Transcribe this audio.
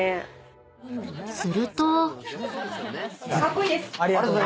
［すると］